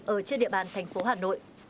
ở trên địa bàn thành phố hà nội